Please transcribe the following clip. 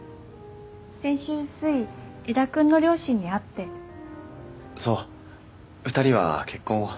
先週すい江田君の両親に会ってそう２人は結婚を？